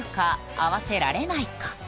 合わせられないか？